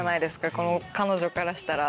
この彼女からしたら。